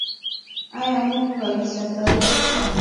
آیا موږ کالي صادرولی شو؟